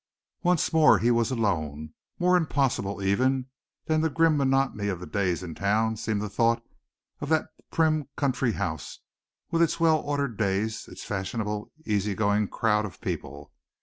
Once more he was alone. More impossible, even, than the grim monotony of the days in town seemed the thought of that prim country house, with its well ordered days, its fashionable, easy going crowd of people.